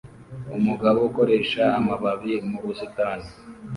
Umugabo ukoresha amababi mu busitani